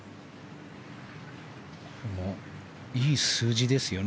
いい数字ですよね。